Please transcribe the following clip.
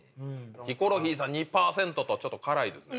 ヒコロヒーさん２％とちょっと辛いですね。